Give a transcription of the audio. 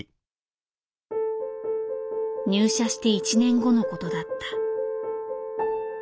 入社して１年後のことだった。